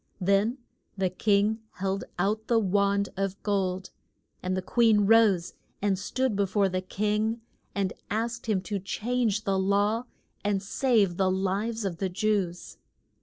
Then the king held out the wand of gold, and the queen rose, and stood be fore the king and asked him to change the law and save the lives of the Jews.